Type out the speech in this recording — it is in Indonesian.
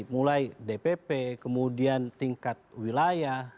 mulai dpp kemudian tingkat wilayah